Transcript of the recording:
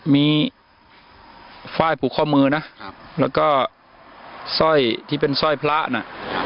มีฝ้ายผูกข้อมือนะแล้วก็สร้อยที่เป็นสร้อยพระน่ะ